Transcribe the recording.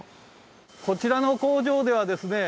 こちらの工場ではですね